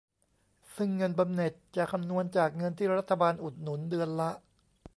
ซึ่งเงินบำเหน็จจะคำนวณจากเงินที่รัฐบาลอุดหนุนเดือนละ